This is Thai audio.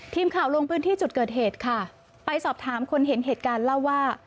ทีมข่าวลงพื้นที่จุดเกิดเหตุค่ะไปสอบถามคนเห็นเหตุการณ์เล่าว่า